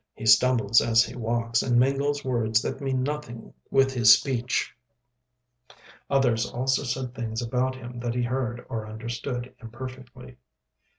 He stumbles as he walks and mingles words that mean nothing with his speech." Others also said things about him that he heard or understood imperfectly.